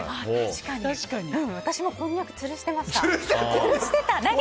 私もこんにゃくつるしてました。